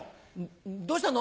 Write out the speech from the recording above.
どうしたの？